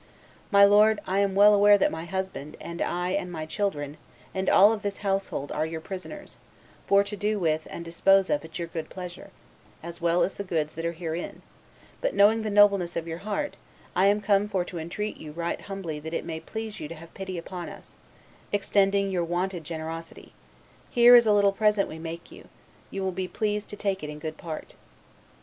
My lord, I am well aware that my husband, and I, and my children, and all of this household are your prisoners, for to do with and dispose of at your good pleasure, as well as the goods that are herein; but, knowing the nobleness of your heart, I am come for to entreat you right humbly that it may please you to have pity upon us, extending your wonted generosity. Here is a little present we make you; you will be pleased to take it in good part.